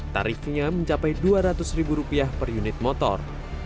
tarifnya mencapai dua ratus ribu rupiah per unit motor